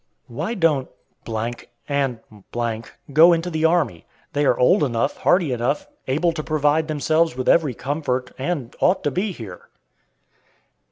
Why don't and go into the army? They are old enough, hearty enough, able to provide themselves with every comfort, and ought to be here.